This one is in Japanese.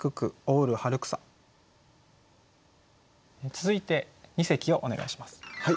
続いて二席をお願いします。